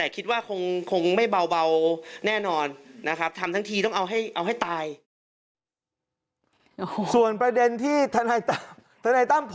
คิดอะไรบ้างครับผมพอเปิดเคยได้ไหม